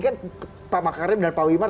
kan pak makarim dan pak wimar